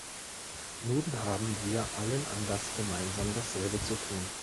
Nun haben wir allen Anlass, gemeinsam dasselbe zu tun.